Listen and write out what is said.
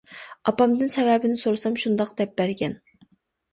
ئاپامدىن سەۋەبىنى سورىسام شۇنداق دەپ بەرگەن.